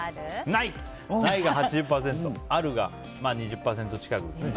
ないが８０％あるが２０％近くですね。